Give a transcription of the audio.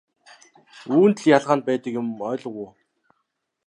Үүнд л ялгаа нь байдаг юм ойлгов уу?